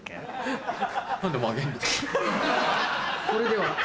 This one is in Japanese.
それでは。